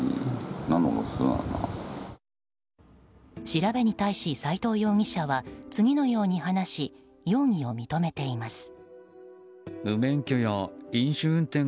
調べに対し、斎藤容疑者は次のように話し容疑を認めています。